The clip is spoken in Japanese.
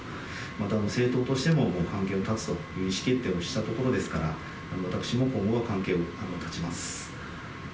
また、政党としても、関係を絶つという意思決定をしたところですから、私も今後、関係を絶ちます。